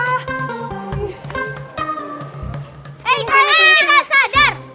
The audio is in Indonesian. eh kalian ini nggak sadar